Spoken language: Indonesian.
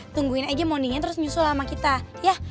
tungguin aja mondinya terus nyusul sama kita yah